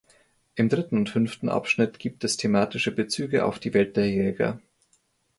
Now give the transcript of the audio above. Im dritten und fünften Abschnitt gibt es thematische Bezüge auf die Welt der Jäger.